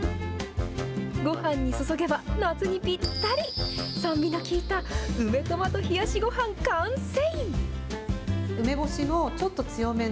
ごはんに注げば、夏にぴったり、酸味が効いた梅トマト冷やしごはん、完成！